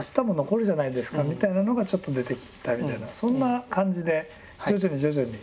みたいなのがちょっと出てきたみたいなそんな感じで徐々に徐々に。